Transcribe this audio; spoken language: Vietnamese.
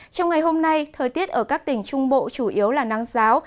trong ngày hôm nay thời tiết ở các tỉnh trung bộ chủ yếu là nắng giáo